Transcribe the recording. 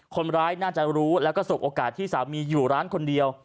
คนร้ายน่าจะรู้แล้วก็สบโอกาสที่สามีอยู่ร้านคนเดียว